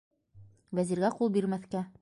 - Вәзиргә ҡул бирмәҫкә!